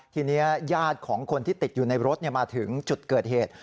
ทีนี้ญาติของคนที่ติดอยู่ในรถมาถึงจุดเกิดเหตุ